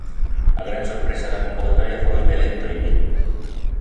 A gran sorpresa da convocatoria foi Belén Toimil.